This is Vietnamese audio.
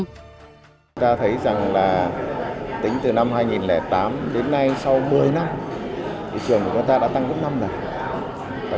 chúng ta thấy rằng là tính từ năm hai nghìn tám đến nay sau một mươi năm thị trường của chúng ta đã tăng gấp năm lần